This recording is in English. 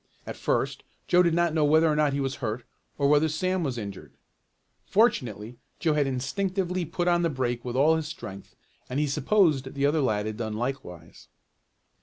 At first Joe did not know whether or not he was hurt, or whether Sam was injured. Fortunately Joe had instinctively put on the brake with all his strength, and he supposed the other lad had done likewise.